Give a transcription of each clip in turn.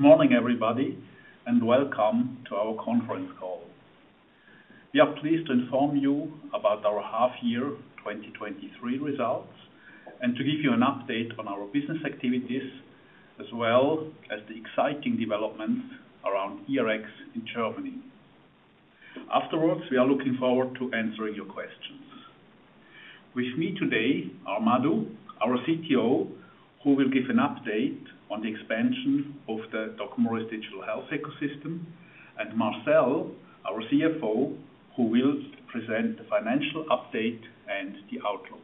Good morning, everybody, and welcome to our conference call. We are pleased to inform you about our half year 2023 results, and to give you an update on our business activities, as well as the exciting developments around eRx in Germany. Afterwards, we are looking forward to answering your questions. With me today are Madhu, our CTO, who will give an update on the expansion of the DocMorris Digital Health Ecosystem, and Marcel, our CFO, who will present the financial update and the outlook.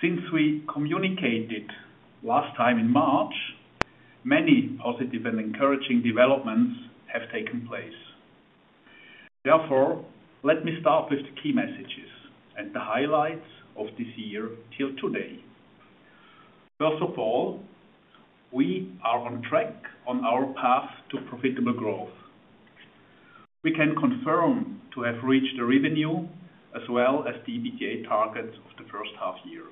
Since we communicated last time in March, many positive and encouraging developments have taken place. Therefore, let me start with the key messages and the highlights of this year till today. First of all, we are on track on our path to profitable growth. We can confirm to have reached the revenue as well as the EBITDA targets of the first half year.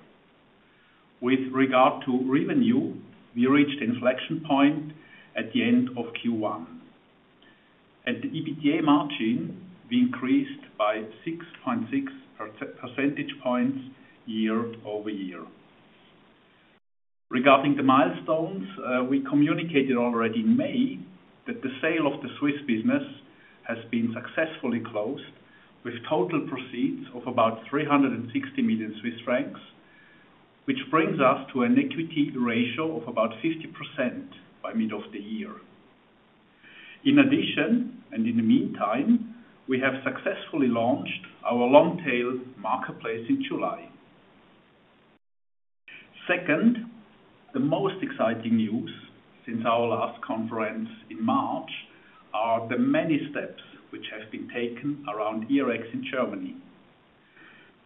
With regard to revenue, we reached an inflection point at the end of Q1. At the EBITDA margin, we increased by 6.6 percentage points year-over-year. Regarding the milestones, we communicated already in May, that the sale of the Swiss business has been successfully closed, with total proceeds of about 360 million Swiss francs, which brings us to an equity ratio of about 50% by mid of the year. In addition, in the meantime, we have successfully launched our long-tail marketplace in July. Second, the most exciting news since our last conference in March, are the many steps which have been taken around eRx in Germany.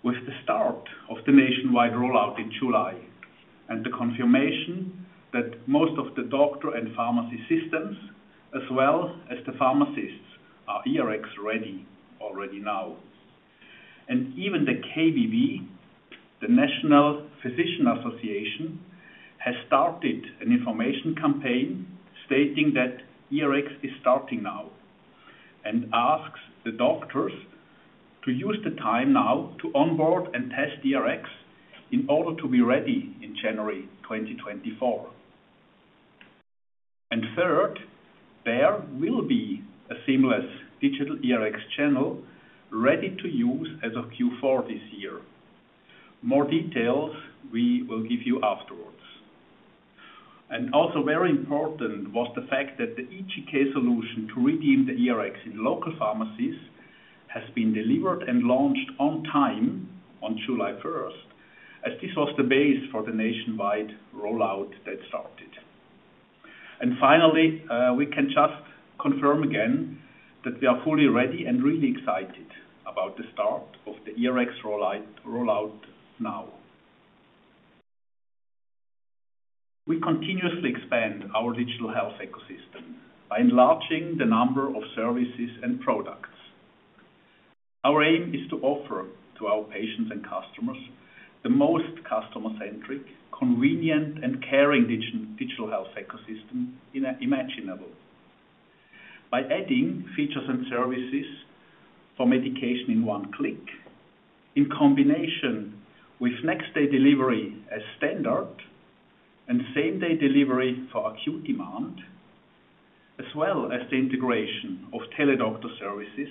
With the start of the nationwide rollout in July, the confirmation that most of the doctor and pharmacy systems, as well as the pharmacists, are eRx-ready already now. Even the KBV, the National Physician Association, has started an information campaign stating that eRx is starting now, and asks the doctors to use the time now to onboard and test eRx in order to be ready in January 2024. Third, there will be a seamless Digital eRx channel ready to use as of Q4 this year. More details we will give you afterwards. Also very important was the fact that the eGK solution to redeem the eRx in local pharmacies, has been delivered and launched on time on July 1st, as this was the base for the nationwide rollout that started. Finally, we can just confirm again that we are fully ready and really excited about the start of the eRx rollout now. We continuously expand our Digital Health Ecosystem by enlarging the number of services and products. Our aim is to offer to our patients and customers, the most customer-centric, convenient, and caring digital health ecosystem in a imaginable. By adding features and services for medication in one click, in combination with next-day delivery as standard and same-day delivery for acute demand, as well as the integration of teledoctor services,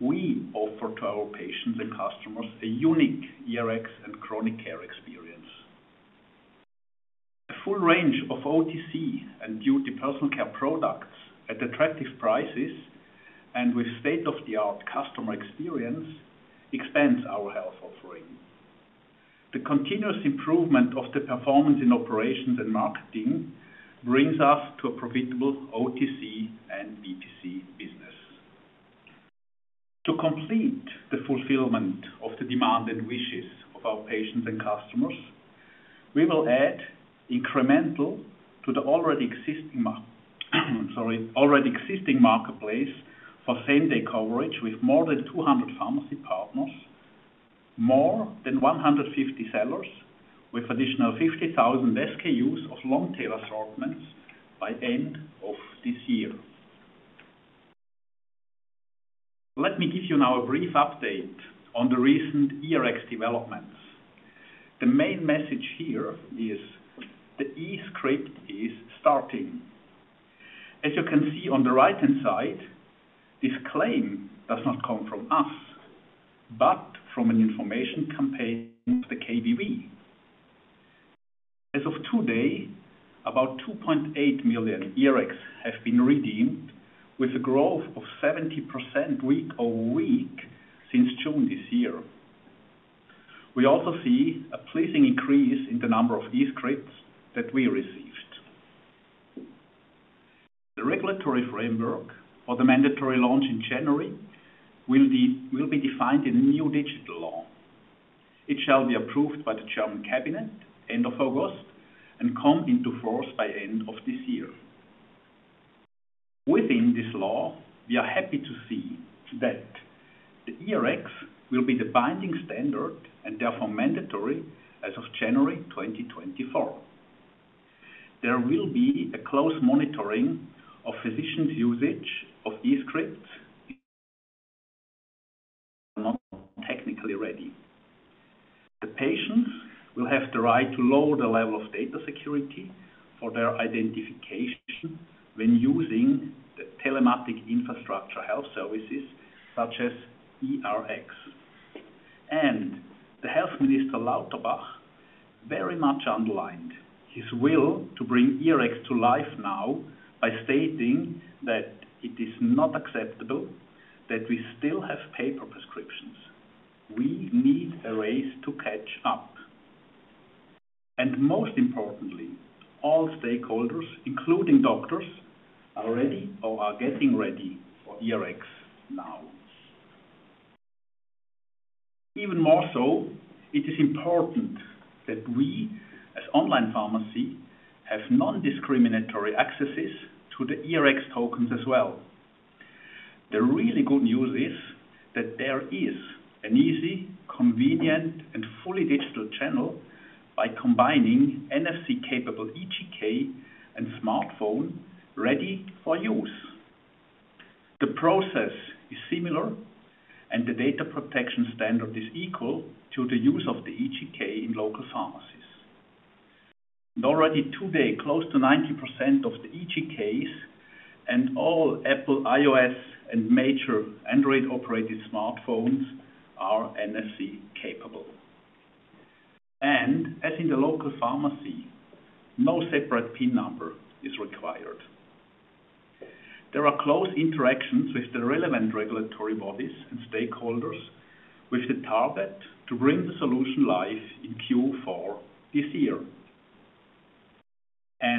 we offer to our patients and customers a unique eRx and chronic care experience. A full range of OTC and beauty personal care products at attractive prices and with state-of-the-art customer experience, expands our health offering. The continuous improvement of the performance in operations and marketing brings us to a profitable OTC and BTC business. To complete the fulfillment of the demand and wishes of our patients and customers, we will add incremental to the already existing marketplace for same-day coverage with more than 200 pharmacy partners, more than 150 sellers, with additional 50,000 SKUs of long-tail assortments by end of this year. Let me give you now a brief update on the recent eRx developments. The main message here is, the e-script is starting. As you can see on the right-hand side, this claim does not come from us, but from an information campaign, the KBV. As of today, about 2.8 million eRx have been redeemed, with a growth of 70% week-over-week since June this year. We also see a pleasing increase in the number of e-scripts that we received. The regulatory framework for the mandatory launch in January, will be defined in a new Digital Act. It shall be approved by the German cabinet, end of August, and come into force by end of this year. Within this law, we are happy to see that the eRx will be the binding standard, and therefore mandatory, as of January 2024. There will be a close monitoring of physicians' usage of e-scripts. Technically ready. The patients will have the right to lower the level of data security for their identification when using the telematics infrastructure health services, such as eRx. The Health Minister, Lauterbach, very much underlined his will to bring eRx to life now by stating that it is not acceptable that we still have paper prescriptions. We need a race to catch up. Most importantly, all stakeholders, including doctors, are ready or are getting ready for eRx now. Even more so, it is important that we, as online pharmacy, have non-discriminatory accesses to the eRx tokens as well. The really good news is that there is an easy, convenient, and fully digital channel by combining NFC-capable eGK and smartphone ready for use. The process is similar, and the data protection standard is equal to the use of the eGK in local pharmacies. Already today, close to 90% of the eGKs and all Apple iOS and major Android-operated smartphones are NFC-capable. As in the local pharmacy, no separate PIN number is required. There are close interactions with the relevant regulatory bodies and stakeholders, with the target to bring the solution live in Q4 this year.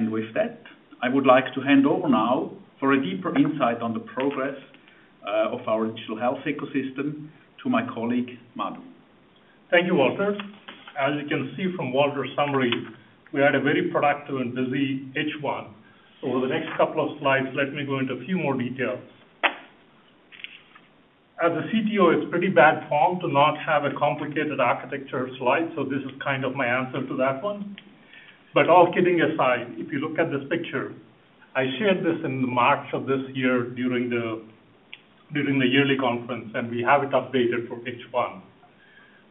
With that, I would like to hand over now for a deeper insight on the progress of our Digital Health Ecosystem to my colleague, Madhu. Thank you, Walter. As you can see from Walter's summary, we had a very productive and busy H1. Over the next couple of slides, let me go into a few more details. As a CTO, it's pretty bad form to not have a complicated architecture slide, so this is kind of my answer to that one. All kidding aside, if you look at this picture, I shared this in March of this year during the yearly conference, and we have it updated for H1.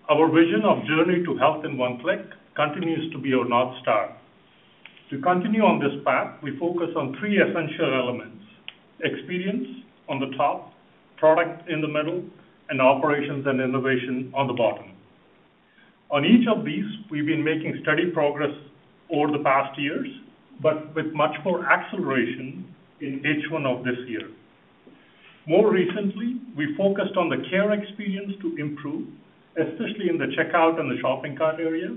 Our vision of journey to health in 1 click continues to be our North Star. To continue on this path, we focus on 3 essential elements: experience on the top, product in the middle, and operations and innovation on the bottom. On each of these, we've been making steady progress over the past years, but with much more acceleration in H1 of this year. More recently, we focused on the care experience to improve, especially in the checkout and the shopping cart area,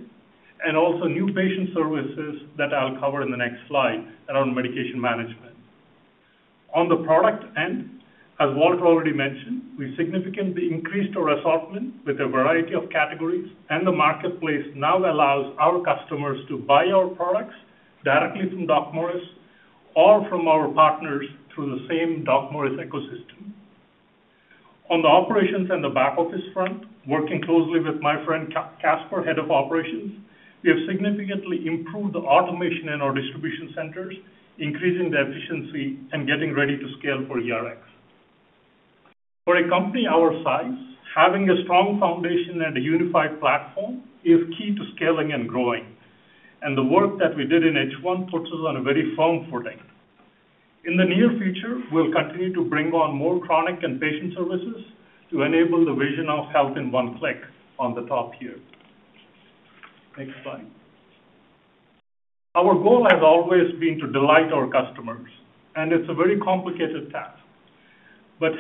and also new patient services that I'll cover in the next slide around medication management. On the product end, as Walter already mentioned, we significantly increased our assortment with a variety of categories, and the marketplace now allows our customers to buy our products directly from DocMorris or from our partners through the same DocMorris ecosystem. On the operations and the back office front, working closely with my friend, Kaspar, Head of Operations, we have significantly improved the automation in our distribution centers, increasing the efficiency and getting ready to scale for eRx. For a company our size, having a strong foundation and a unified platform is key to scaling and growing. The work that we did in H1 puts us on a very firm footing. In the near future, we'll continue to bring on more chronic and patient services to enable the vision of health in one click on the top here. Next slide. Our goal has always been to delight our customers. It's a very complicated task.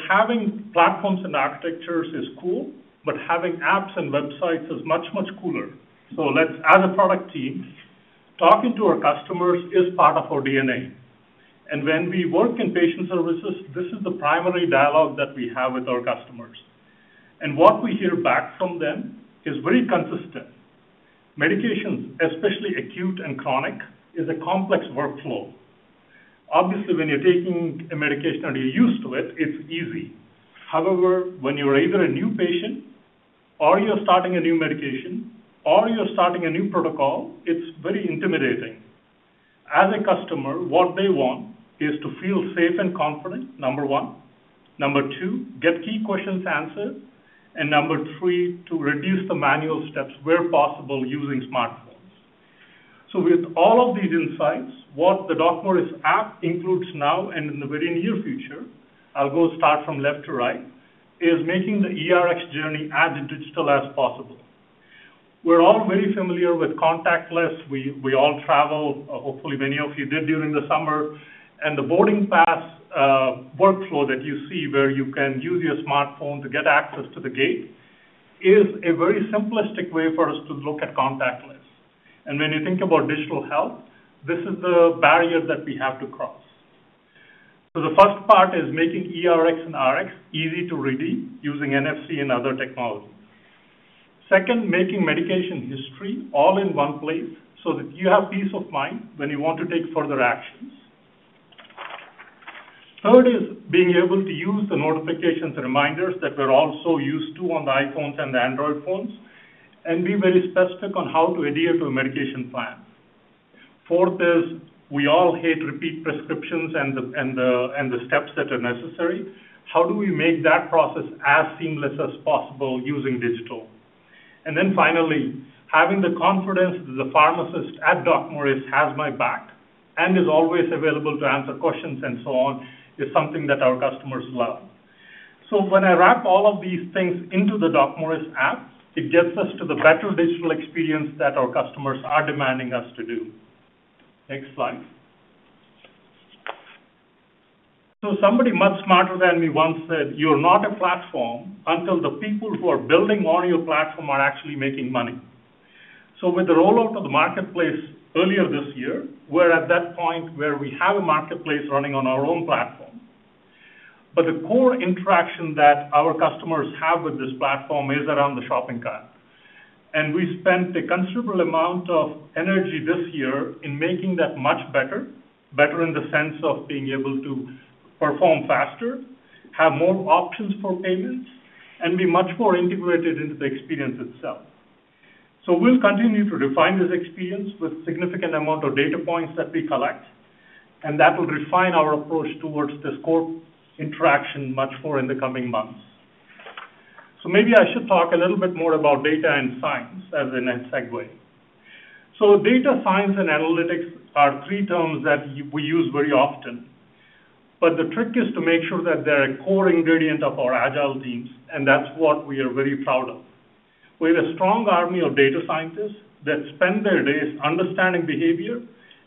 Having platforms and architectures is cool, but having apps and websites is much, much cooler. As a product team, talking to our customers is part of our DNA. When we work in patient services, this is the primary dialogue that we have with our customers. What we hear back from them is very consistent. Medications, especially acute and chronic, is a complex workflow. Obviously, when you're taking a medication and you're used to it, it's easy. However, when you're either a new patient or you're starting a new medication or you're starting a new protocol, it's very intimidating. As a customer, what they want is to feel safe and confident, number 1. Number 2, get key questions answered. To reduce the manual steps where possible using smartphones. With all of these insights, what the DocMorris app includes now and in the very near future, I'll go start from left to right, is making the eRx journey as digital as possible. We're all very familiar with contactless. We all travel. Hopefully, many of you did during the summer. The boarding pass workflow that you see where you can use your smartphone to get access to the gate, is a very simplistic way for us to look at contactless. When you think about digital health, this is the barrier that we have to cross. The first part is making eRx and Rx easy to redeem using NFC and other technologies. Second, making medication history all in one place, so that you have peace of mind when you want to take further actions. Third, is being able to use the notifications and reminders that we're also used to on the iPhones and Android phones, and be very specific on how to adhere to a medication plan. Fourth is, we all hate repeat prescriptions and the steps that are necessary. How do we make that process as seamless as possible using digital? Then finally, having the confidence that the pharmacist at DocMorris has my back, and is always available to answer questions and so on, is something that our customers love. When I wrap all of these things into the DocMorris app, it gets us to the better digital experience that our customers are demanding us to do. Next slide. Somebody much smarter than me once said, "You're not a platform until the people who are building on your platform are actually making money." With the rollout of the marketplace earlier this year, we're at that point where we have a marketplace running on our own platform. The core interaction that our customers have with this platform is around the shopping cart. We spent a considerable amount of energy this year in making that much better, better in the sense of being able to perform faster, have more options for payments, and be much more integrated into the experience itself. We'll continue to refine this experience with significant amount of data points that we collect, and that will refine our approach towards this core interaction much more in the coming months. Maybe I should talk a little bit more about data and science as the next segue. Data, science, and analytics are three terms that we use very often, but the trick is to make sure that they're a core ingredient of our agile teams, and that's what we are very proud of. We have a strong army of data scientists that spend their days understanding behavior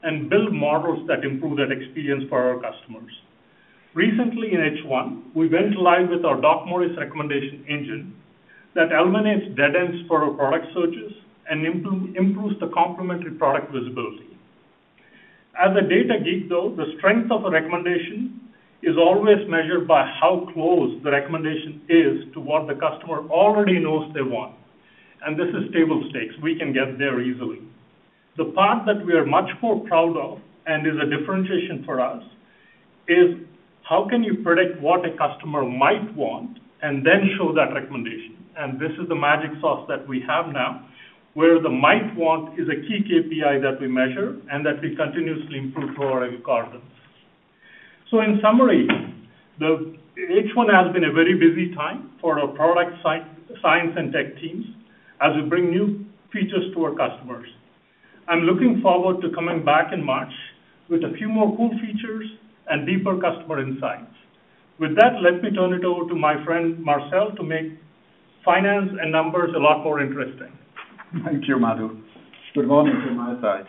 and build models that improve that experience for our customers. Recently, in H1, we went live with our DocMorris recommendation engine that eliminates dead ends for our product searches and improves the complementary product visibility. As a data geek, though, the strength of a recommendation is always measured by how close the recommendation is to what the customer already knows they want. This is table stakes. We can get there easily. The part that we are much more proud of, and is a differentiation for us, is: how can you predict what a customer might want and then show that recommendation? This is the magic sauce that we have now, where the might want is a key KPI that we measure, and that we continuously improve for our customers. In summary, the H1 has been a very busy time for our product science and tech teams, as we bring new features to our customers. I'm looking forward to coming back in March with a few more cool features and deeper customer insights. With that, let me turn it over to my friend, Marcel, to make finance and numbers a lot more interesting. Thank you, Madhu. Good morning from my side.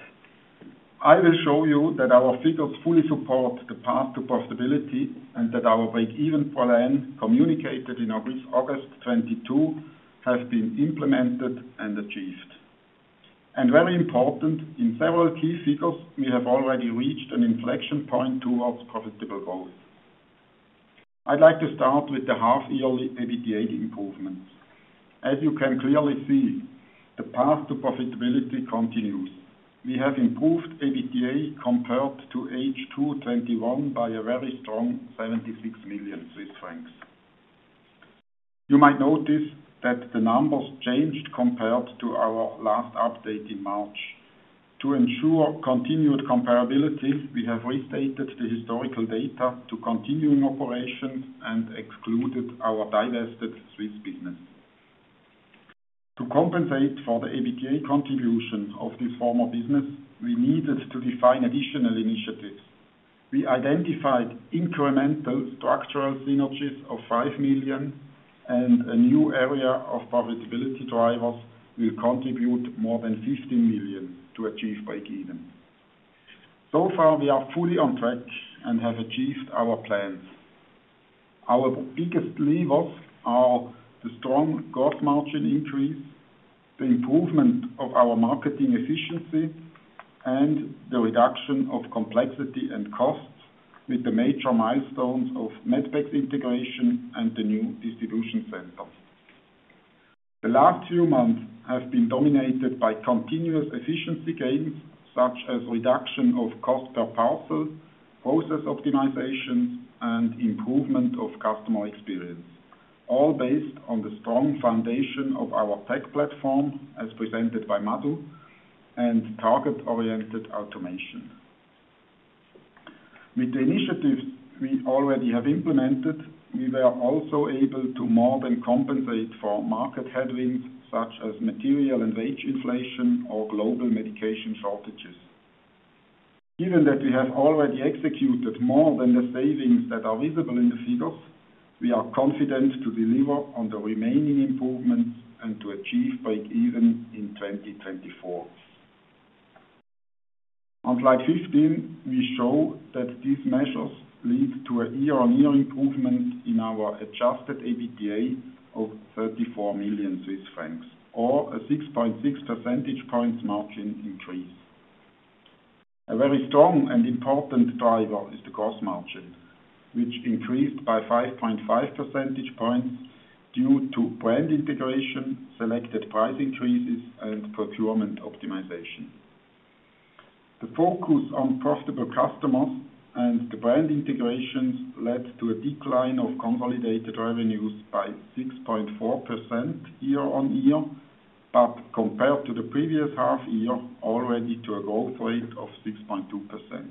I will show you that our figures fully support the path to possibility, and that our break-even plan, communicated in August, August 2022, has been implemented and achieved. Very important, in several key figures, we have already reached an inflection point towards profitable growth. I'd like to start with the half-yearly EBITDA improvements. As you can clearly see, the path to profitability continues. We have improved EBITDA compared to H2 2021, by a very strong chf 76 million. You might notice that the numbers changed compared to our last update in March. To ensure continued comparability, we have restated the historical data to continuing operations and excluded our divested Swiss business. To compensate for the EBITDA contribution of this former business, we needed to define additional initiatives. We identified incremental structural synergies of 5 million. A new area of profitability drivers will contribute more than 15 million to achieve break even. So far, we are fully on track and have achieved our plans. Our biggest levers are the strong gross margin increase, the improvement of our marketing efficiency, and the reduction of complexity and costs with the major milestones of Medpex integration and the new distribution center. The last two months have been dominated by continuous efficiency gains, such as reduction of cost per parcel, process optimization, and improvement of customer experience, all based on the strong foundation of our tech platform, as presented by Madhu, and target-oriented automation. With the initiatives we already have implemented, we were also able to more than compensate for market headwinds, such as material and wage inflation or global medication shortages. Given that we have already executed more than the savings that are visible in the figures, we are confident to deliver on the remaining improvements and to achieve break even in 2024. On Slide 15, we show that these measures lead to a year-on-year improvement in our Adjusted EBITDA of 34 million Swiss francs, or a 6.6 percentage points margin increase. A very strong and important driver is the gross margin, which increased by 5.5 percentage points due to brand integration, selected price increases, and procurement optimization. The focus on profitable customers and the brand integrations led to a decline of consolidated revenues by 6.4% year-on-year, but compared to the previous half year, already to a growth rate of 6.2%.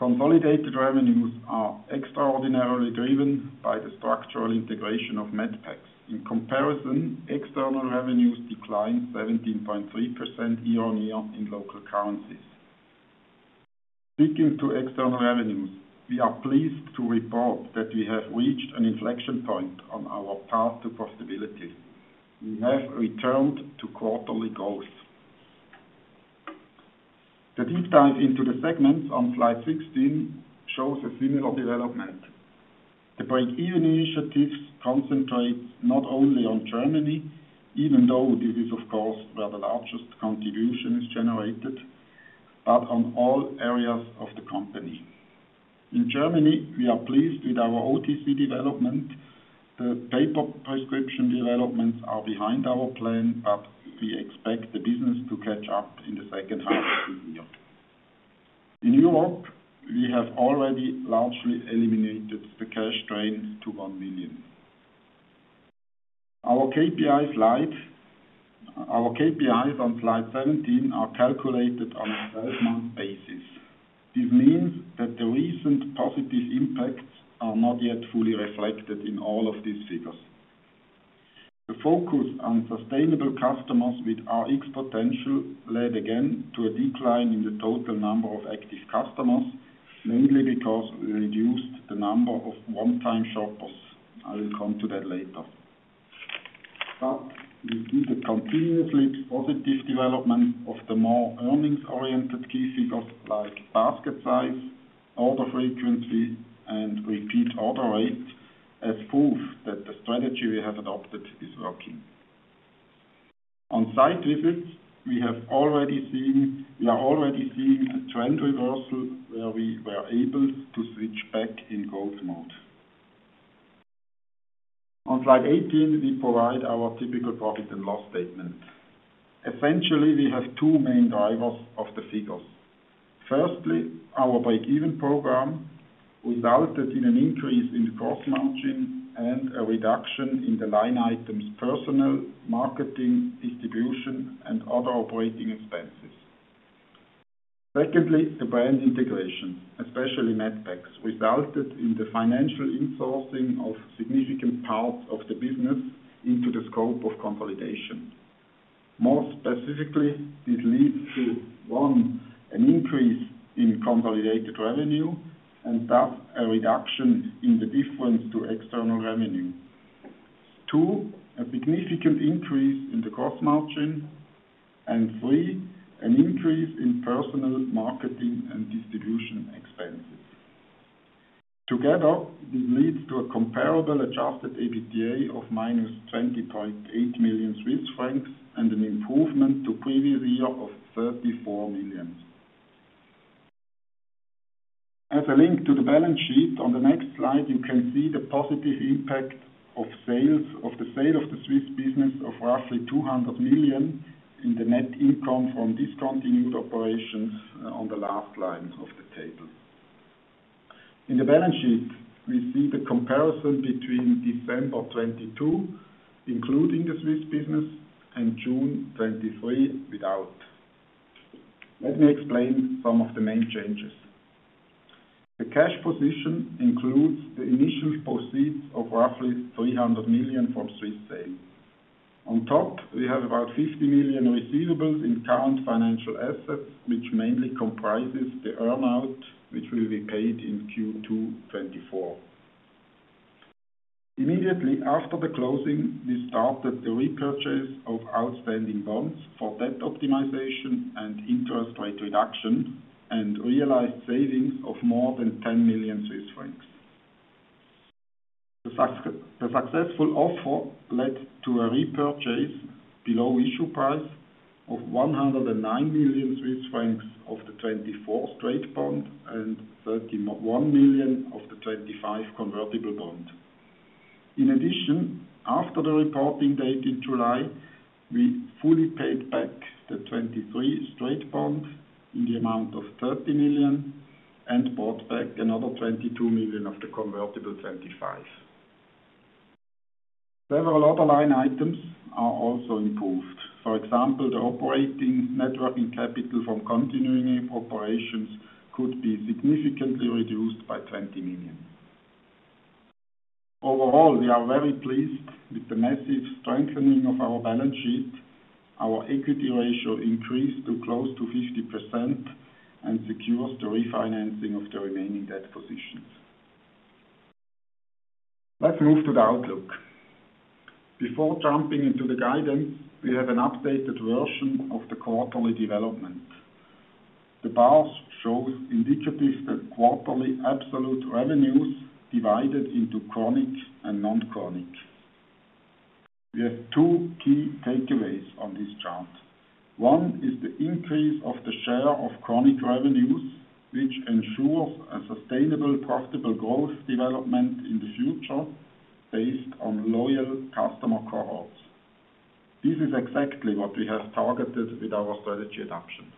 Consolidated revenues are extraordinarily driven by the structural integration of Medpex. In comparison, external revenues declined 17.3% year-on-year in local currencies. Speaking to external revenues, we are pleased to report that we have reached an inflection point on our path to profitability. We have returned to quarterly growth. The deep dive into the segments on Slide 16 shows a similar development. The break-even initiatives concentrate not only on Germany, even though this is, of course, where the largest contribution is generated, but on all areas of the company. In Germany, we are pleased with our OTC development. The paper prescription developments are behind our plan, but we expect the business to catch up in the second half of the year. In Europe, we have already largely eliminated the cash drain to 1 million. Our KPIs on Slide 17 are calculated on a 12-month basis. This means that the recent positive impacts are not yet fully reflected in all of these figures. The focus on sustainable customers with Rx potential led again to a decline in the total number of active customers, mainly because we reduced the number of one-time shoppers. I will come to that later. We see the continuously positive development of the more earnings-oriented key figures, like basket size, order frequency, and repeat order rate, as proof that the strategy we have adopted is working. On site visits, we are already seeing a trend reversal, where we were able to switch back in growth mode. On Slide 18, we provide our typical profit and loss statement. Essentially, we have two main drivers of the figures. Firstly, our break-even program resulted in an increase in the gross margin and a reduction in the line items, personnel, marketing, distribution, and other operating expenses. Secondly, the brand integration, especially Medpex, resulted in the financial insourcing of significant parts of the business into the scope of consolidation. More specifically, this leads to, one, an increase in consolidated revenue and thus a reduction in the difference to external revenue. Two, a significant increase in the cost margin. Three, an increase in personnel, marketing, and distribution expenses. Together, this leads to a comparable Adjusted EBITDA of -20.8 million Swiss francs and an improvement to previous year of 34 million. As a link to the balance sheet, on the next slide, you can see the positive impact of sales, of the sale of the Swiss business of roughly 200 million in the net income from discontinued operations on the last line of the table. In the balance sheet, we see the comparison between December 2022, including the Swiss business, and June 2023, without. Let me explain some of the main changes. The cash position includes the initial proceeds of roughly 300 million from Swiss sale. On top, we have about 50 million receivables in current financial assets, which mainly comprises the earn-out, which will be paid in Q2 2024. Immediately after the closing, we started the repurchase of outstanding bonds for debt optimization and interest rate reduction, and realized savings of more than 10 million Swiss francs. The successful offer led to a repurchase below issue price of 109 million Swiss francs of the 2024 straight bond and 31 million of the 2025 convertible bond. In addition, after the reporting date in July, we fully paid back the 2023 straight bonds in the amount of 30 million and bought back another 22 million of the convertible 2025. Several other line items are also improved. For example, the operating net working capital from continuing operations could be significantly reduced by 20 million. Overall, we are very pleased with the massive strengthening of our balance sheet. Our equity ratio increased to close to 50% and secures the refinancing of the remaining debt positions. Let's move to the outlook. Before jumping into the guidance, we have an updated version of the quarterly development. The bars shows indicative that quarterly absolute revenues divided into chronic and non-chronic. We have two key takeaways on this chart. One is the increase of the share of chronic revenues, which ensures a sustainable, profitable growth development in the future based on loyal customer cohorts. This is exactly what we have targeted with our strategy adoption.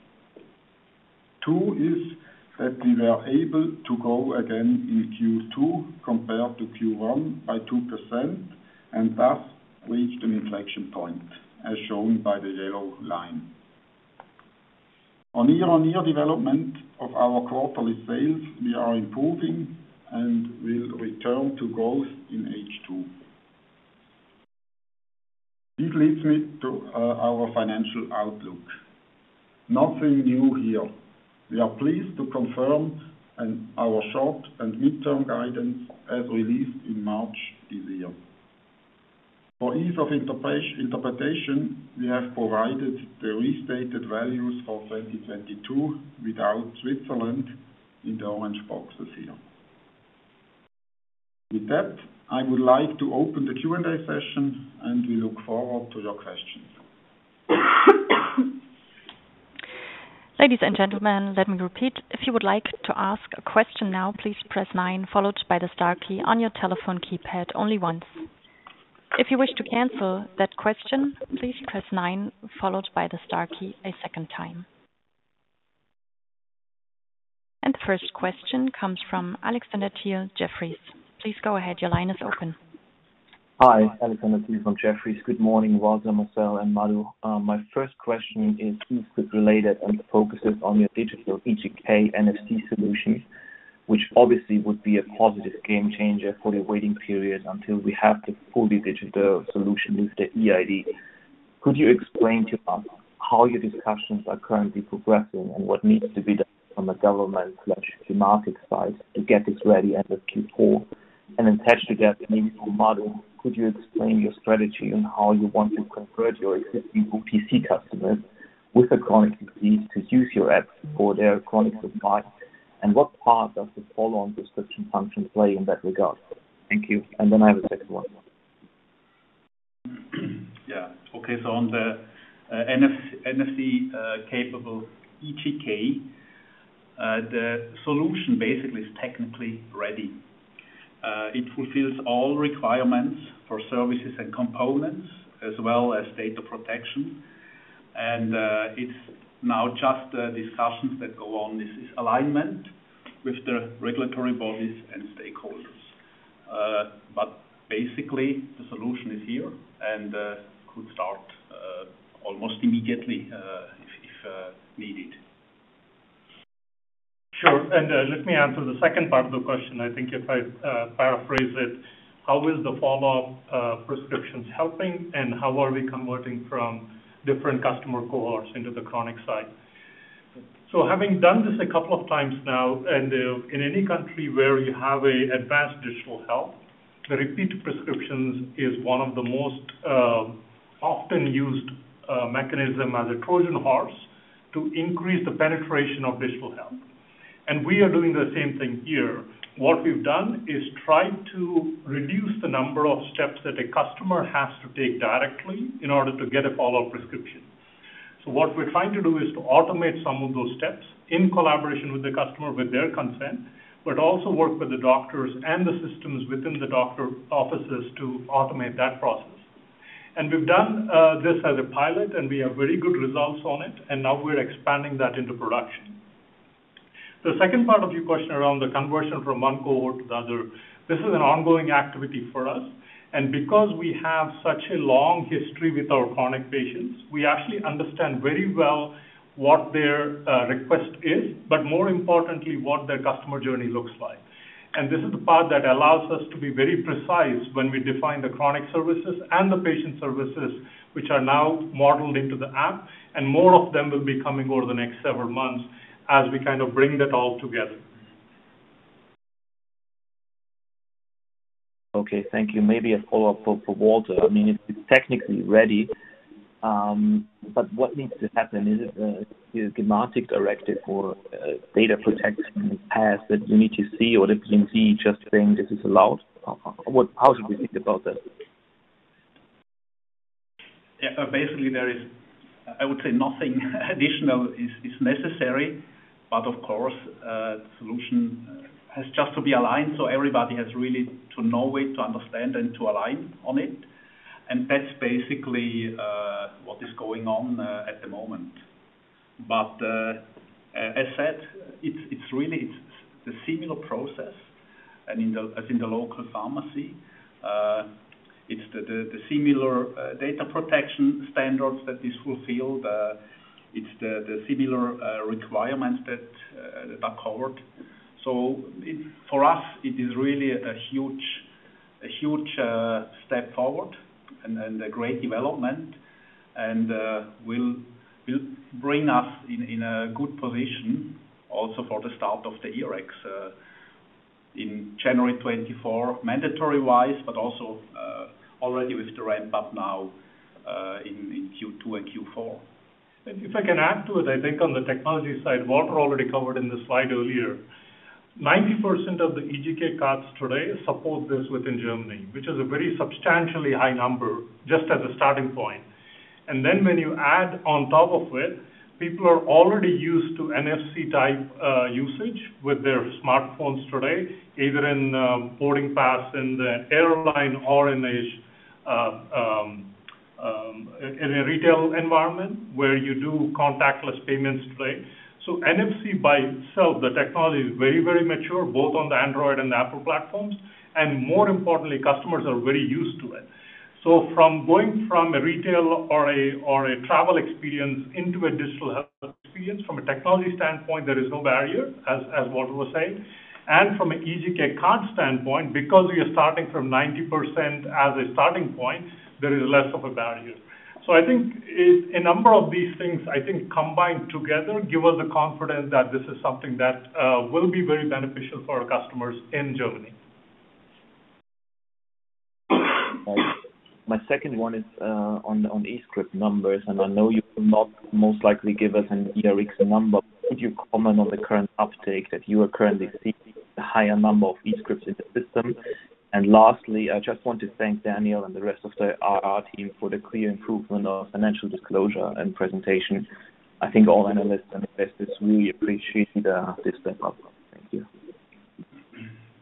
Two is that we were able to grow again in Q2 compared to Q1 by 2%, and thus reached an inflection point, as shown by the yellow line. On year-on-year development of our quarterly sales, we are improving and will return to growth in H2. This leads me to our financial outlook. Nothing new here. We are pleased to confirm and our short and midterm guidance as released in March this year. For ease of interpretation, we have provided the restated values for 2022 without Switzerland in the orange boxes here. With that, I would like to open the Q&A session, and we look forward to your questions. Ladies and gentlemen, let me repeat. If you would like to ask a question now, please press 9, followed by the star key on your telephone keypad only once. If you wish to cancel that question, please press 9, followed by the star key a second time. The first question comes from Alexander Thiel, Jefferies. Please go ahead. Your line is open. Hi, Alexander Thiel from Jefferies. Good morning, Walter, Marcel, and Madhu. My first question is related and focuses on your digital eGK NFC solutions, which obviously would be a positive game changer for the waiting period until we have the fully digital solution with the eID. Could you explain to us how your discussions are currently progressing and what needs to be done from a government slash Gematik side to get this ready as of Q4? Attached to that, maybe for Madhu, could you explain your strategy on how you want to convert your existing OTC customers with a chronic disease to use your apps for their chronic supply? What part does the follow-on prescription function play in that regard? Thank you. I have a second one. Yeah. Okay. On the NF, NFC capable eGK, the solution basically is technically ready. It fulfills all requirements for services and components as well as data protection. It's now just the discussions that go on. This is alignment with the regulatory bodies and stakeholders. Basically, the solution is here and could start almost immediately, if, if needed. Sure. Let me answer the second part of the question. I think if I paraphrase it, how is the follow-up prescriptions helping and how are we converting from different customer cohorts into the chronic side? Having done this 2 times now, in any country where you have a advanced digital health, the repeat prescriptions is one of the most often used mechanism as a Trojan horse to increase the penetration of digital health. We are doing the same thing here. What we've done is try to reduce the number of steps that a customer has to take directly in order to get a follow-up prescription. What we're trying to do is to automate some of those steps in collaboration with the customer, with their consent, but also work with the doctors and the systems within the doctor offices to automate that process. We've done this as a pilot, and we have very good results on it, and now we're expanding that into production. The second part of your question around the conversion from one cohort to the other, this is an ongoing activity for us. Because we have such a long history with our chronic patients, we actually understand very well what their request is, but more importantly, what their customer journey looks like. This is the part that allows us to be very precise when we define the chronic services and the patient services, which are now modeled into the app, and more of them will be coming over the next several months as we kind of bring that all together. Okay, thank you. Maybe a follow-up for, for Walter. I mean, it's, it's technically ready, but what needs to happen? Is it the Gematik directive or data protection pass that you need to see or the Gematik just saying this is allowed? What- how do you think about that? Yeah, basically, there is, I would say nothing additional is necessary, but of course, solution has just to be aligned, so everybody has really to know it, to understand and to align on it. That's basically what is going on at the moment. As said, it's really the similar process and as in the local pharmacy, it's the similar data protection standards that this fulfill. It's the similar requirements that are covered. For us, it is really a huge step forward and a great development, and will bring us in a good position also for the start of the Rx in January 2024, mandatory wise, but also already with the ramp-up now ...to a Q4. If I can add to it, I think on the technology side, Walter already covered in the slide earlier. 90% of the eGK cards today support this within Germany, which is a very substantially high number, just as a starting point. Then when you add on top of it, people are already used to NFC type usage with their smartphones today, either in boarding pass, in the airline or in a retail environment where you do contactless payments today. NFC by itself, the technology is very, very mature, both on the Android and Apple platforms, and more importantly, customers are very used to it. From going from a retail or a, or a travel experience into a digital health experience, from a technology standpoint, there is no barrier, as, as Walter was saying. From an eGK card standpoint, because we are starting from 90% as a starting point, there is less of a barrier. I think a number of these things, I think, combined together, give us the confidence that this is something that will be very beneficial for our customers in Germany. My second one is on, on e-script numbers. I know you cannot most likely give us an eRx number. Could you comment on the current uptake that you are currently seeing a higher number of e-scripts in the system? Lastly, I just want to thank Daniel and the rest of the IR team for the clear improvement of financial disclosure and presentation. I think all analysts and investors really appreciate this step up. Thank you.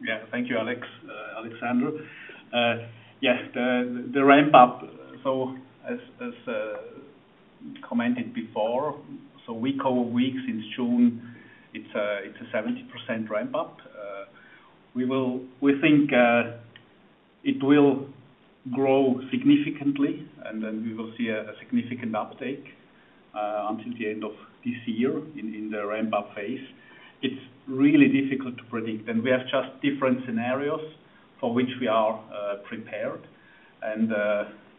Yeah. Thank you, Alexandru. Yes, the ramp up. As commented before, so week over weeks, since June, it's a 70% ramp up. We think it will grow significantly, and then we will see a significant uptake until the end of this year in the ramp up phase. It's really difficult to predict, and we have just different scenarios for which we are prepared.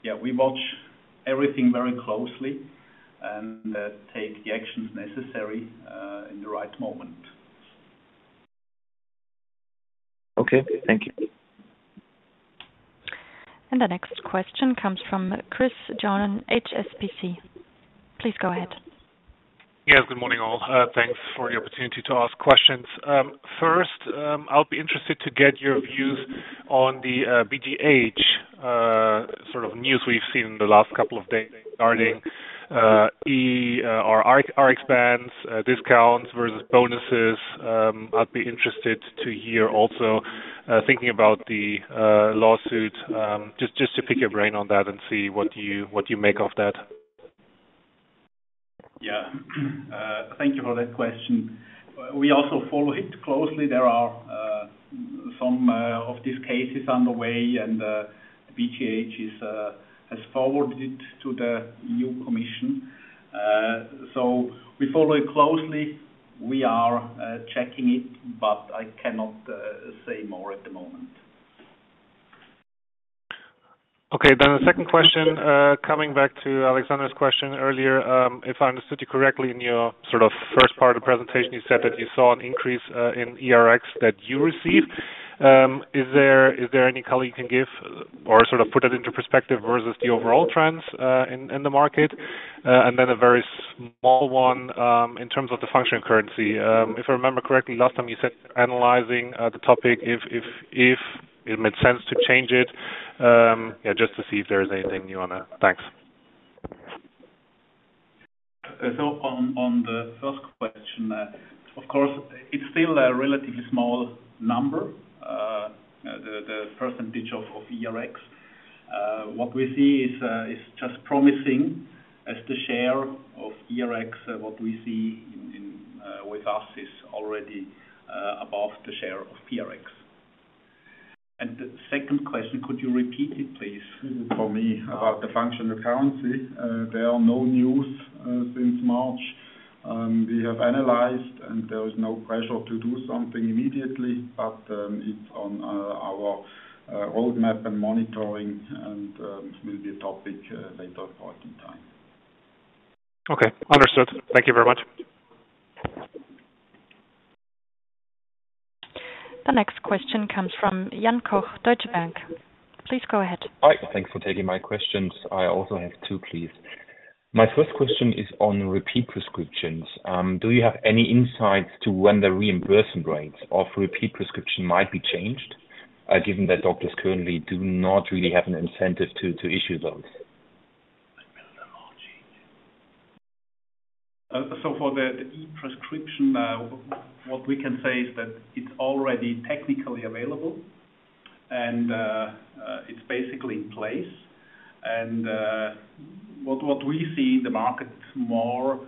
Yeah, we watch everything very closely and take the actions necessary in the right moment. Okay. Thank you. The next question comes from Chris Johnen, HSBC. Please go ahead. Yes, good morning, all. Thanks for the opportunity to ask questions. First, I'll be interested to get your views on the Bundesgerichtshof sort of news we've seen in the last couple of days regarding Rx bonus discounts versus bonuses. I'd be interested to hear also, thinking about the lawsuit, just to pick your brain on that and see what you, what you make of that. Yeah. Thank you for that question. We also follow it closely. There are some of these cases underway, Bundesgerichtshof has forwarded it to the new commission. We follow it closely. We are checking it, but I cannot say more at the moment. Okay. The second question, coming back to Alexandru's question earlier, if I understood you correctly in your sort of first part of the presentation, you said that you saw an increase in eRx that you received. Is there, is there any color you can give or sort of put it into perspective versus the overall trends in the market? A very small one in terms of the functional currency. If I remember correctly, last time you said analyzing the topic, if, if, if it made sense to change it. Yeah, just to see if there is anything you want to... Thanks. On, on the first question, of course, it's still a relatively small number, the, the percentage of, of eRx. What we see is, is just promising as the share of eRx. What we see in, in, with us is already above the share of Rx. The second question, could you repeat it, please, for me about the functional currency? There are no news since March. We have analyzed, and there is no pressure to do something immediately, but it's on our roadmap and monitoring, and will be a topic later point in time. Okay, understood. Thank you very much. The next question comes from Jan Koch, Deutsche Bank. Please go ahead. Hi, thanks for taking my questions. I also have two, please. My first question is on repeat prescriptions. Do you have any insights to when the reimbursement rates of repeat prescription might be changed, given that doctors currently do not really have an incentive to, to issue those? For the e-prescription, what we can say is that it's already technically available and it's basically in place. What, what we see in the market is more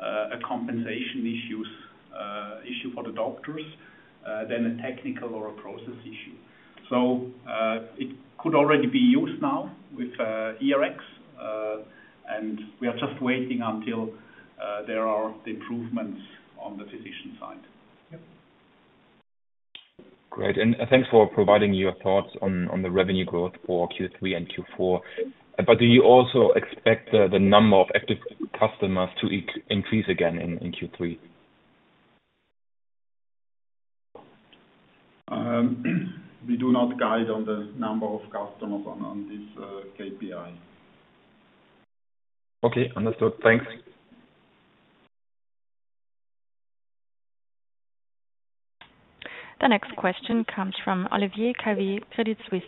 a compensation issues, issue for the doctors than a technical or a process issue. It could already be used now with eRx, and we are just waiting until there are improvements on the physician side. Yep. Great. Thanks for providing your thoughts on the revenue growth for Q3 and Q4. But do you also expect the number of active customers to increase again in Q3?... we do not guide on the number of customers on, on this, KPI. Okay, understood. Thanks. The next question comes from Olivier Calvet, Credit Suisse.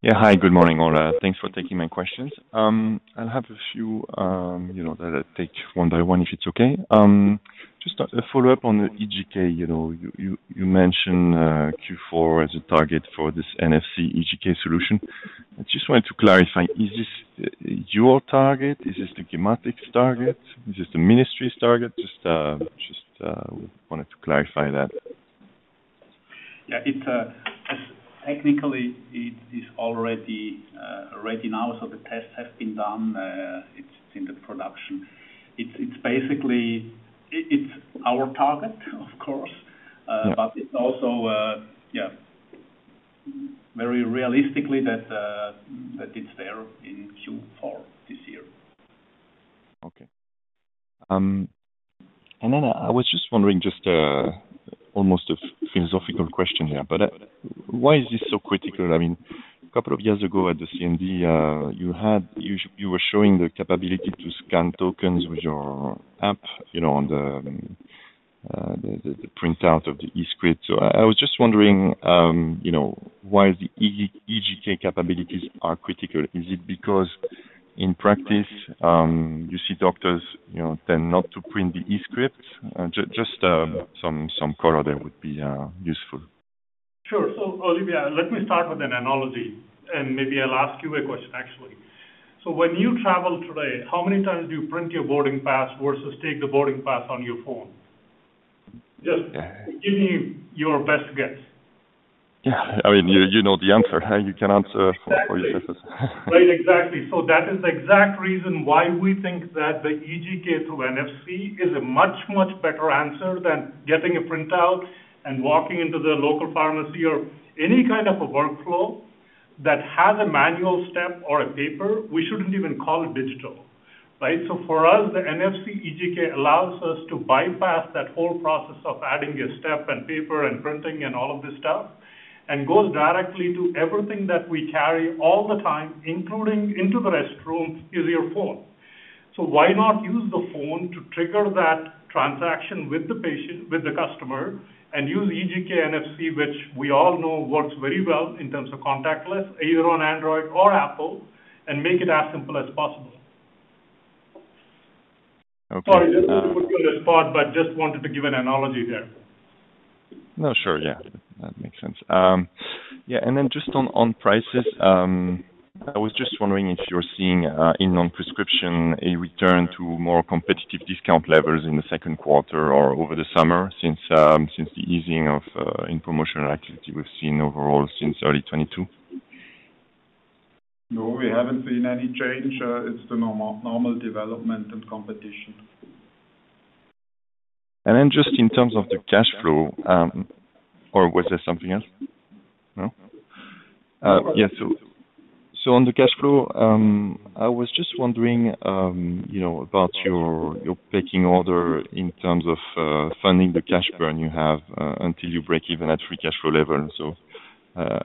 Yeah. Hi, good morning, all. Thanks for taking my questions. I'll have a few, you know, that I take one by one, if it's okay. Just a follow-up on the eGK, you know, you, you, you mentioned Q4 as a target for this NFC eGK solution. I just wanted to clarify, is this your target? Is this the Gematik target? Is this the ministry's target? Just wanted to clarify that. Yeah, it, technically, it is already, ready now, so the tests have been done, it's in the production. It's, it's basically, it, it's our target, of course. Yeah. It's also, yeah, very realistically that, that it's there in Q4 this year. Okay. Then I was just wondering, just almost a philosophical question here, but why is this so critical? I mean, a couple of years ago at the CMD, you had-- you, you were showing the capability to scan tokens with your app, you know, on the, the, the printout of the e-script. I, I was just wondering, you know, why the eGK capabilities are critical. Is it because in practice, you see doctors, you know, tend not to print the e-script? Just some color there would be useful. Sure. Olivier, let me start with an analogy, and maybe I'll ask you a question, actually. When you travel today, how many times do you print your boarding pass versus take the boarding pass on your phone? Yeah. Give me your best guess. Yeah. I mean, you, you know the answer. You can answer for yourself. Exactly. Right, exactly. That is the exact reason why we think that the eGK to NFC is a much, much better answer than getting a printout and walking into the local pharmacy or any kind of a workflow that has a manual step or a paper, we shouldn't even call it digital, right? For us, the NFC eGK allows us to bypass that whole process of adding a step, and paper, and printing, and all of this stuff, and goes directly to everything that we carry all the time, including into the restroom, is your phone. Why not use the phone to trigger that transaction with the patient, with the customer, and use eGK NFC, which we all know works very well in terms of contactless, either on Android or Apple, and make it as simple as possible. Okay. Sorry, I didn't mean to put you on the spot, but just wanted to give an analogy here. No, sure. Yeah, that makes sense. Yeah, and then just on, on prices, I was just wondering if you're seeing in non-prescription, a return to more competitive discount levels in the second quarter or over the summer since, since the easing of in promotional activity we've seen overall since early 2022? No, we haven't seen any change. It's the normal, normal development and competition. Then just in terms of the cash flow, was there something else? No? Yeah. On the cash flow, I was just wondering, you know, about your, your picking order in terms of funding the cash burn you have until you break even at free cash flow level.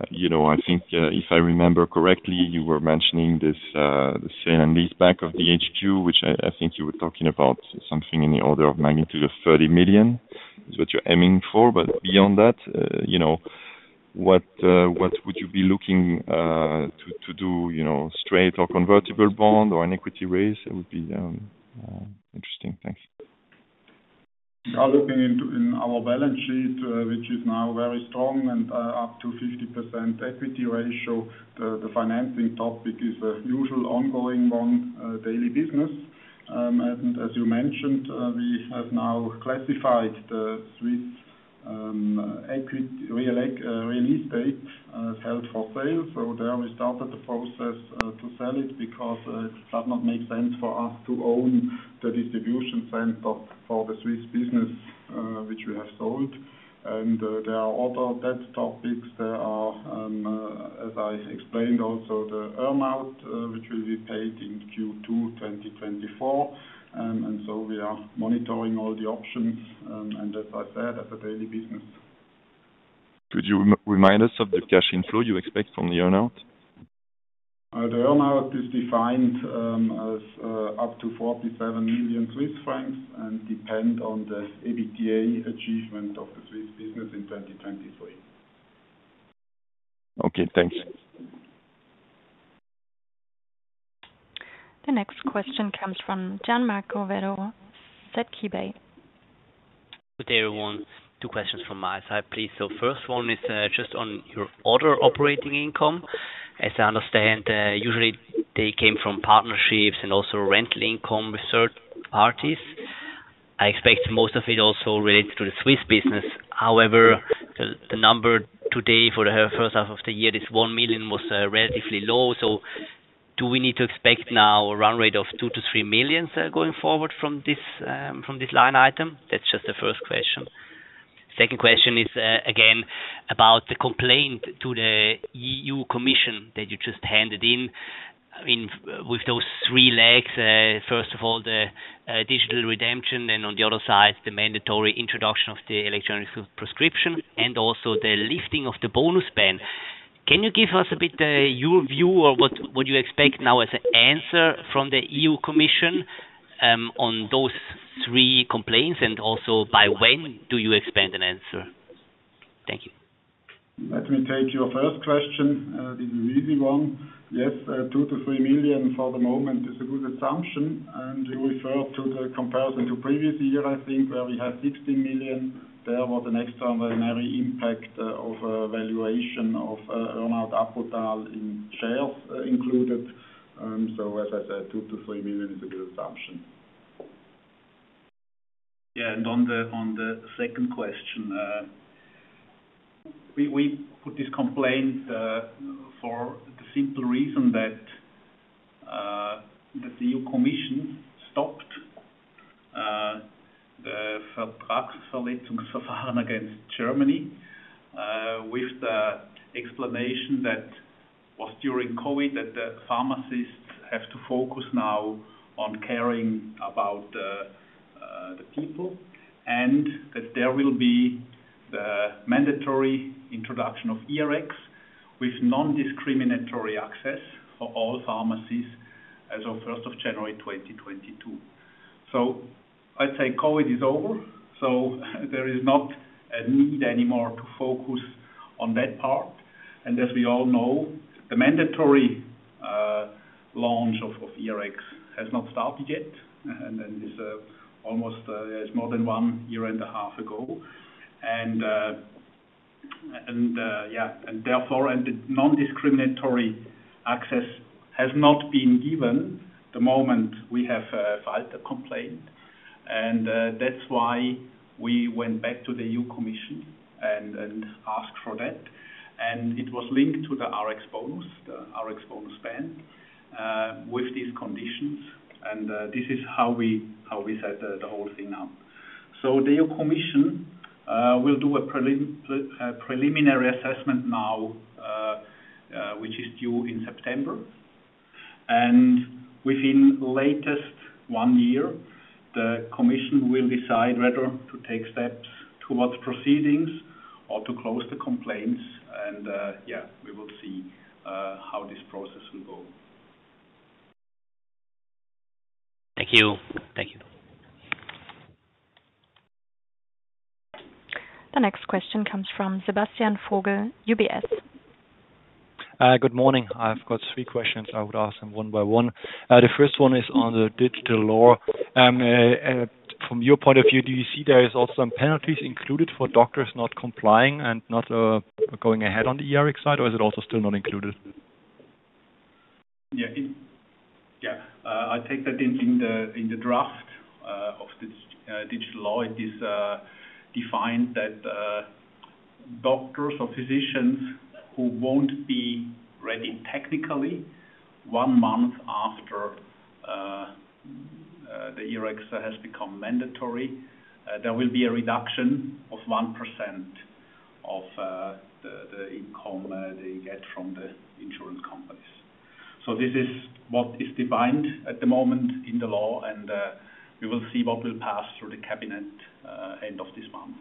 You know, I think, if I remember correctly, you were mentioning this, the sale and lease back of the HQ, which I, I think you were talking about something in the order of magnitude of 30 million is what you're aiming for. Beyond that, you know, what, what would you be looking to to do, you know, straight or convertible bond or an equity raise? It would be interesting. Thanks. Looking into, in our balance sheet, which is now very strong and up to 50% equity ratio, the, the financing topic is a usual ongoing one, daily business. As you mentioned, we have now classified the Swiss equity real estate held for sale. There we started the process to sell it because it does not make sense for us to own the distribution center for the Swiss business, which we have sold. There are other debt topics. There are, as I explained, also the earn-out, which will be paid in Q2 2024. We are monitoring all the options, as I said, as a daily business. Could you remind us of the cash inflow you expect from the earn-out? The earn-out is defined, as, up to 47 million Swiss francs, and depend on the EBITDA achievement of the Swiss business in 2023. Okay, thanks. The next question comes from Gianmarco Bonfanti at Kepler Cheuvreux. Good day, everyone. Two questions from my side, please. First one is just on your order operating income. As I understand, usually they came from partnerships and also rental income with third parties. I expect most of it also relates to the Swiss business. However, the number today for the first half of the year, this 1 million, was relatively low. Do we need to expect now a run rate of 2 million-3 million going forward from this from this line item? That's just the first question. Second question is about the complaint to the European Commission that you just handed in. I mean, with those three legs, first of all, the digital redemption, and on the other side, the mandatory introduction of the electronic prescription, and also the lifting of the bonus ban. Can you give us a bit, your view or what, what you expect now as an answer from the European Commission, on those three complaints, and also by when do you expect an answer? Thank you. Let me take your first question. This is an easy one. Yes, 2 million-3 million for the moment is a good assumption, and you refer to the comparison to previous year, I think, where we had 16 million. There was an extraordinary impact of valuation of Earnout Apotal in shares included. So as I said, 2 million-3 million is a good assumption. Yeah, and on the, on the second question, we, we put this complaint for the simple reason that the European Commission stopped the contracts for letting against Germany with the explanation that was during COVID, that the pharmacists have to focus now on caring about the people, and that there will be the mandatory introduction of eRx with nondiscriminatory access for all pharmacies as of 1st of January 2022. I'd say COVID is over, so there is not a need anymore to focus on that part. As we all know, the mandatory launch of eRx has not started yet, and then is almost is more than one and a half years ago. And, yeah, and therefore, and the nondiscriminatory access has not been given the moment we have filed the complaint. That's why we went back to the European Commission and asked for that. It was linked to the Rx bonus, the Rx bonus ban, with these conditions. This is how we, how we set the whole thing up. The European Commission will do a prelim preliminary assessment now, which is due in September. Within latest one year, the Commission will decide whether to take steps towards proceedings or to close the complaints. Yeah, we will see, how this process will go. Thank you. Thank you. The next question comes from Sebastian Vogel, UBS. Good morning. I've got three questions. I would ask them one by one. The first one is on the Digital Act. From your point of view, do you see there is also some penalties included for doctors not complying and not going ahead on the eRx side, or is it also still not included? Yeah. It... Yeah. I take that in the draft of this digital law, it is defined that doctors or physicians who won't be ready technically one month after the eRx has become mandatory, there will be a reduction of 1% of the income they get from the insurance companies. This is what is defined at the moment in the law, and we will see what will pass through the cabinet end of this month.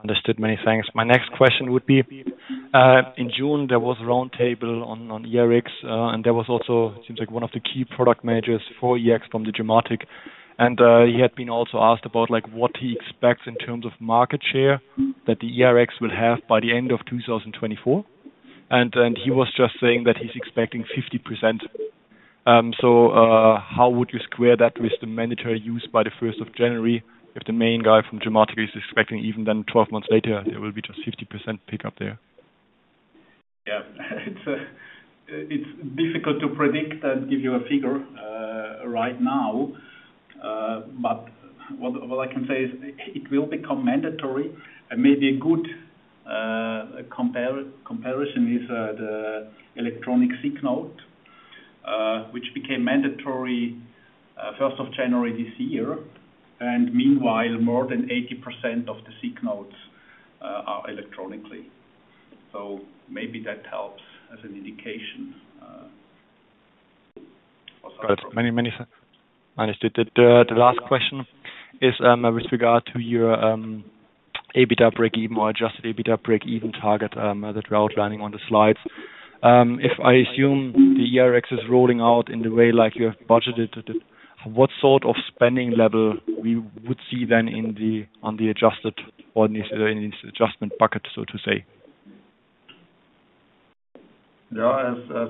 Understood. Many thanks. My next question would be, in June, there was a round table on, on eRx, and there was also, seems like one of the key product managers for eRx from the Gematik. He had been also asked about, like, what he expects in terms of market share, that the eRx will have by the end of 2024. He was just saying that he's expecting 50%. How would you square that with the mandatory use by the 1st of January, if the main guy from Gematik is expecting, even then 12 months later, there will be just 50% pick up there? Yeah. It's difficult to predict and give you a figure right now. What I can say is it, it will become mandatory and maybe a good comparison is the electronic sick note, which became mandatory 1st of January this year, and meanwhile, more than 80% of the sick notes are electronically. Maybe that helps as an indication. Good. Many, many, thanks. Understood. The, the, the last question is with regard to your EBITDA breakeven or Adjusted EBITDA breakeven target that you're outlining on the slides. If I assume the eRx is rolling out in the way like you have budgeted, what sort of spending level we would see then in the, on the adjusted or in this, in this adjustment bucket, so to say? Yeah, as, as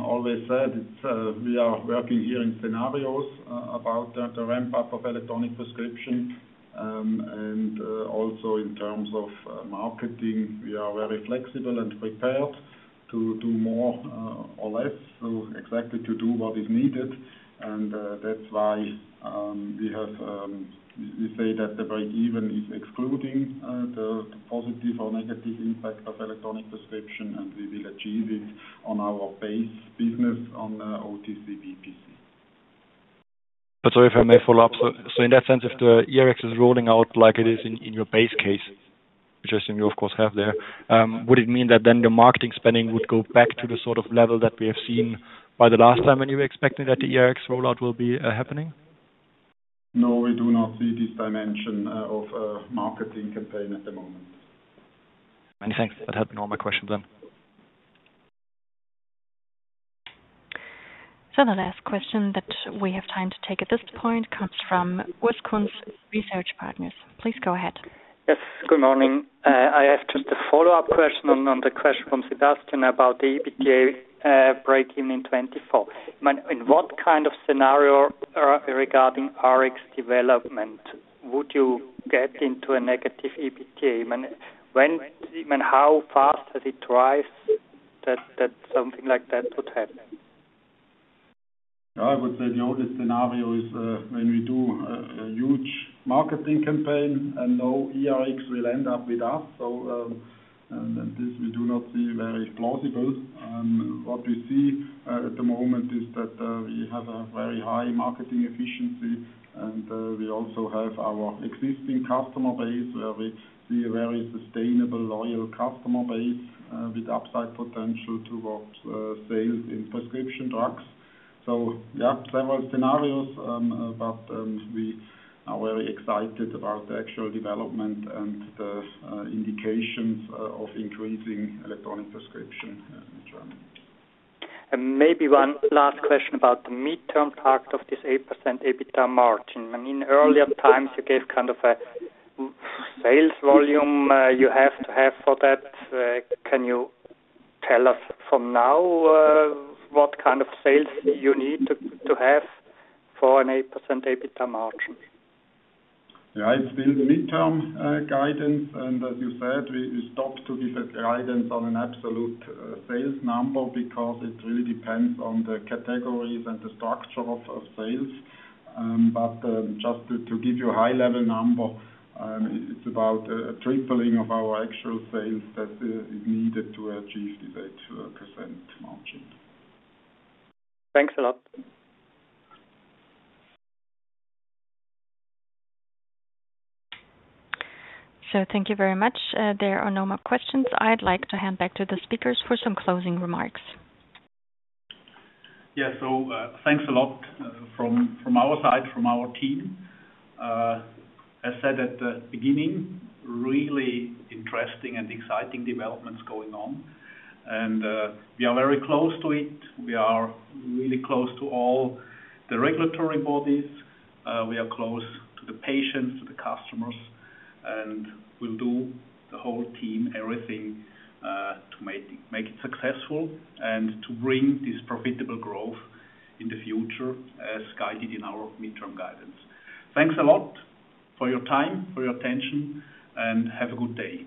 always said, it's, we are working here in scenarios about the, the ramp up of electronic prescription. Also in terms of marketing, we are very flexible and prepared to do more or less, so exactly to do what is needed. That's why we have, we, we say that the breakeven is excluding the, the positive or negative impact of electronic prescription, and we will achieve it on our base business on OTC BPC. If I may follow up. In that sense, if the eRx is rolling out like it is in, in your base case, which I assume you of course have there, would it mean that then the marketing spending would go back to the sort of level that we have seen by the last time when you were expecting that the eRx rollout will be happening? No, we do not see this dimension, of a marketing campaign at the moment. Many thanks. That had been all my questions then. The last question that we have time to take at this point comes from Urs Kunz, Research Partners. Please go ahead. Yes, good morning. I have just a follow-up question on, on the question from Sebastian Vogel about the EBITDA, breaking in 2024. Man, in what kind of scenario, regarding Rx development, would you get into a negative EBITDA? When, when, how fast does it drive that, that something like that would happen? I would say the only scenario is, when we do a huge marketing campaign and no eRx will end up with us. This we do not see very plausible. What we see at the moment is that we have a very high marketing efficiency, and we also have our existing customer base, where we see a very sustainable, loyal customer base, with upside potential towards sales in prescription drugs. Yeah, several scenarios, but we are very excited about the actual development and the indications of increasing electronic prescription in Germany. Maybe one last question about the midterm part of this 8% EBITDA margin. I mean, earlier times you gave kind of a sales volume, you have to have for that. Can you tell us from now, what kind of sales you need to have for an 8% EBITDA margin? Yeah, it's been the midterm guidance, and as you said, we, we stopped to give a guidance on an absolute sales number because it really depends on the categories and the structure of sales. Just to give you a high level number, it's about a tripling of our actual sales that is needed to achieve this 8% margin. Thanks a lot. Thank you very much. There are no more questions. I'd like to hand back to the speakers for some closing remarks. Yeah. Thanks a lot from, from our side, from our team. I said at the beginning, really interesting and exciting developments going on, we are very close to it. We are really close to all the regulatory bodies. We are close to the patients, to the customers, and we'll do, the whole team, everything, to make, make it successful and to bring this profitable growth in the future, as guided in our midterm guidance. Thanks a lot for your time, for your attention, have a good day.